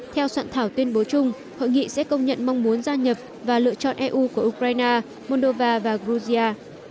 theo soạn thảo tuyên bố chung hội nghị sẽ công nhận mong muốn gia nhập và lựa chọn eu của ukraine moldova và georgia